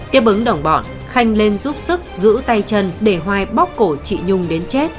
tiếp ứng đồng bọn khanh lên giúp sức giữ tay chân để hoài bóc cổ chị nhung đến chết